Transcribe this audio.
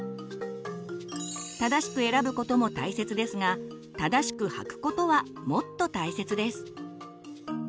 正しく選ぶことも大切ですが正しく履くことはもっと大切です。